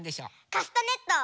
カスタネット！